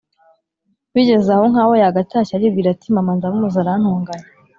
bigeze aho nk’aho yagatashye aribwira ati mama ndamuzi, arantonganya